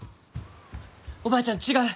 おばあちゃん違う！